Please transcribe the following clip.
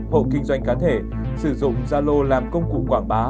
hộ kinh doanh cá thể sử dụng zalo làm công cụ quảng bá